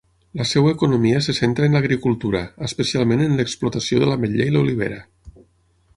La seva economia se centra en l'agricultura, especialment en l'explotació de l'ametller i l'olivera.